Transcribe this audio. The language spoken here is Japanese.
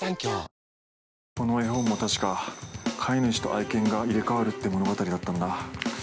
この絵本もたしか飼い主と愛犬が入れかわるって物語だったんだ。